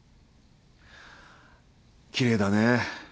きれいだね。